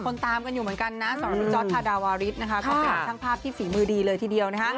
คนตามกันอยู่เหมือนกันนะสำหรับพี่จอสทาดาวาริสช่างภาพที่สีมือดีเลยทีเดียว